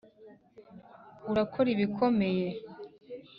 urakora ibikomeye.